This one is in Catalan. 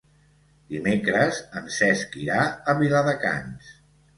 Dimecres en Cesc irà a Viladecans.